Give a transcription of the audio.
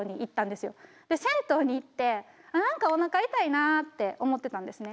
銭湯に行って何かおなか痛いなあって思ってたんですね。